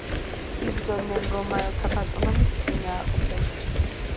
იბრძოდნენ რომაელთა ბატონობის წინააღმდეგ.